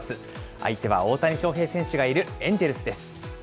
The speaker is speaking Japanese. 相手は大谷翔平選手がいるエンジェルスです。